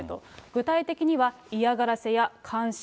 具体的には、嫌がらせや監視、